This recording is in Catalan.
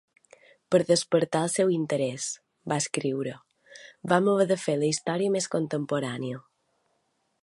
"Per despertar el seu interès", va escriure, "vam haver de fer la història més contemporània".